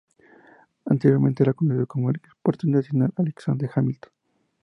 Anteriormente era conocido como Aeropuerto Internacional Alexander Hamilton.